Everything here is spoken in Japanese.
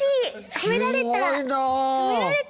褒められた。